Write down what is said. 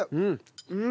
うん。